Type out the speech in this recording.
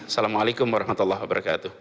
assalamualaikum warahmatullahi wabarakatuh